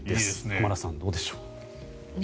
浜田さん、どうでしょう。